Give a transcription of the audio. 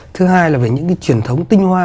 thứ hai là về những cái truyền thống tinh hoa